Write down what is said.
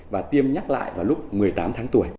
và tiêm nhắc lại vào lúc một mươi tám tháng tuổi